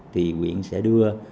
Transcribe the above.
thì huyện sẽ đưa